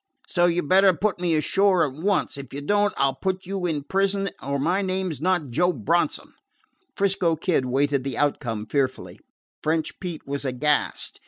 So you 'd better put me ashore at once. If you don't I 'll put you in prison, or my name 's not Joe Bronson." 'Frisco Kid waited the outcome fearfully. French Pete was aghast.